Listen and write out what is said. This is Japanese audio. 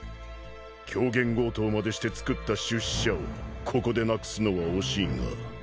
狂言強盗までしてつくった出資者をここでなくすのは惜しいが。